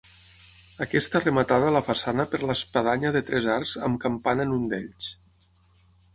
Aquesta rematada la façana per l'espadanya de tres arcs amb campana en un d'ells.